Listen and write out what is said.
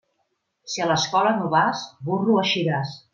Si a l'escola no vas, burro eixiràs.